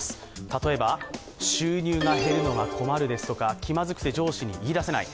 例えば、収入が減るのが困るですとか気まずくて、上司に言い出せない。